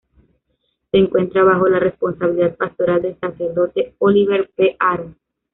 Se encuentra bajo la responsabilidad pastoral del sacerdote Oliver P. Aro.